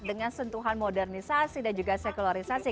dengan sentuhan modernisasi dan juga sekularisasi